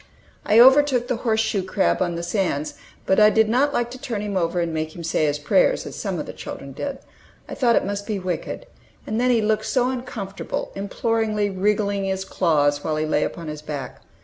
I overtook the horse shoe crab on the sands, but I did not like to turn him over and make him "say his prayers," as some of the children did. I thought it must be wicked. And then he looked so uncomfortable, imploringly wriggling his claws while he lay upon his back!